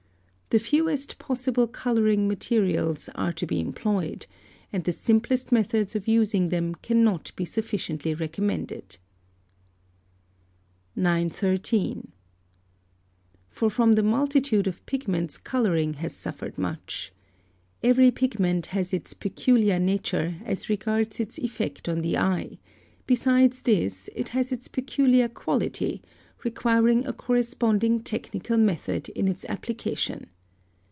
The fewest possible colouring materials are to be employed, and the simplest methods of using them cannot be sufficiently recommended. 913. For from the multitude of pigments colouring has suffered much. Every pigment has its peculiar nature as regards its effect on the eye; besides this it has its peculiar quality, requiring a corresponding technical method in its application.